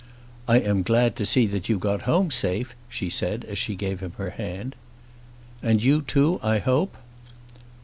"I am glad to see that you got home safe," she said as she gave him her hand. "And you too, I hope?"